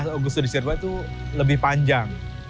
lima belas agustus di cirebon itu lebih panjang